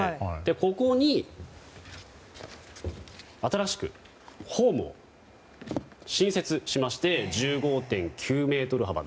ここに新しくホームを新設しまして１５．９ｍ幅で